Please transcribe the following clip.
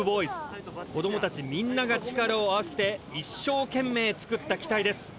子どもたちみんなが力を合わせて一生懸命作った機体です。